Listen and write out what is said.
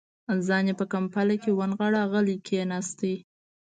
ځان يې په کمپله کې ونغاړه، غلی کېناست.